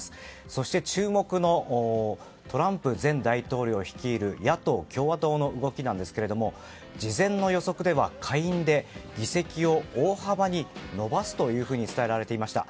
そして、注目のトランプ前大統領率いる野党・共和党の動きですけれども事前の予測では下院で議席を大幅に伸ばすと伝えられていました。